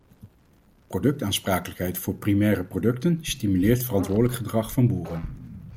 Productaansprakelijkheid voor primaire producten stimuleert verantwoordelijk gedrag van boeren.